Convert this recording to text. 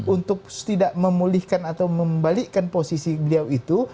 untuk tidak memulihkan atau membalikkan posisi beliau itu